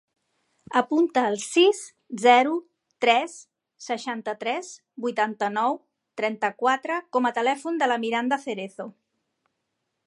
Apunta el sis, zero, tres, seixanta-tres, vuitanta-nou, trenta-quatre com a telèfon de la Miranda Cerezo.